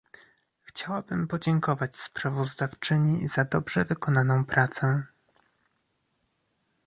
Chciałabym podziękować sprawozdawczymi za dobrze wykonaną pracę